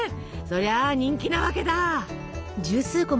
そりゃ人気なわけだ。